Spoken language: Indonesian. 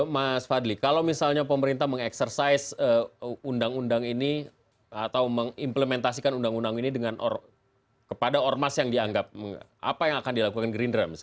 mas fadli kalau misalnya pemerintah mengeksersaiz undang undang ini atau mengimplementasikan undang undang ini kepada ormas yang dianggap apa yang akan dilakukan gerindra